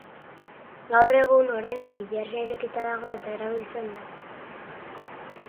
Gaur egun oraindik hilerria irekita dago eta erabiltzen da.